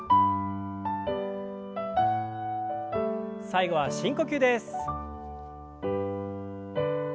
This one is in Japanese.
最後は深呼吸です。